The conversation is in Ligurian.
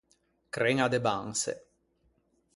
Creña de banse.